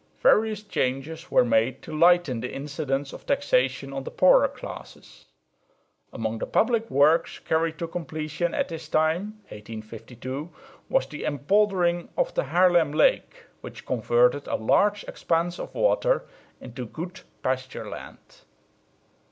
Various changes were made to lighten the incidence of taxation on the poorer classes. Among the public works carried to completion at this time (1852) was the empoldering of the Haarlem lake, which converted a large expanse of water into good pasture land.